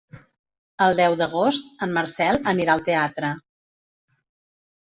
El deu d'agost en Marcel anirà al teatre.